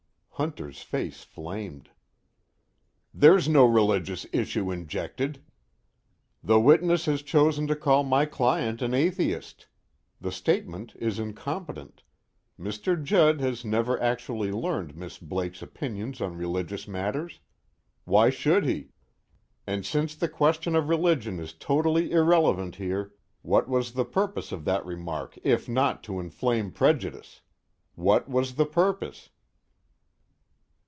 Hunter's face flamed. "There's no religious issue injected!" "The witness has chosen to call my client an atheist. The statement is incompetent: Mr. Judd has never actually learned Miss Blake's opinions on religious matters. Why should he? And since the question of religion is totally irrelevant here, what was the purpose of that remark if not to inflame prejudice? What was the purpose?"